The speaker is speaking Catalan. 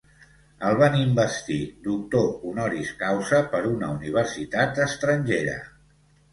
El van investir doctor honoris causa per una universitat estrangera.